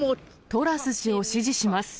トラス氏を支持します。